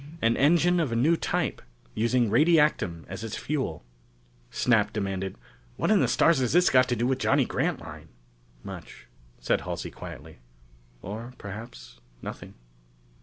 An engine of a new type, using radiactum as its fuel. Snap demanded, "What in the stars has this got to do with Johnny Grantline?" "Much," said Halsey quietly, "or perhaps nothing.